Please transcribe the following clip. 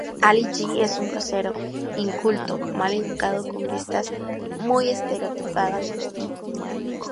Ali G es un grosero, inculto, mal educado con vistas muy estereotipada del mundo.